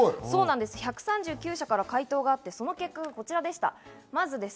１３９社から回答があって、その結果がこちらです。